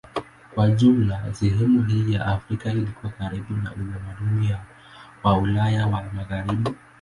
Kwa jumla sehemu hii ya Afrika ilikuwa karibu na utamaduni wa Ulaya ya Magharibi.